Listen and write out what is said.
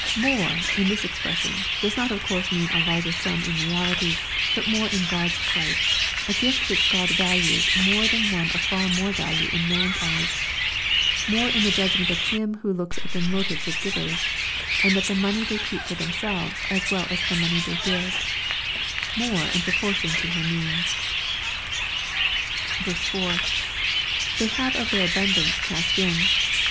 ] "More," in this expression, does not of course mean a larger sum in reality, but more in God's sight, a gift which God values more than one of far more value in man's eyes ;— more in the judgment of Him who looks at the motives of givers, and at the money they keep for themselves as well as tho money they give ;— more in proportion to her means. i. — [They have of their abundance cast in.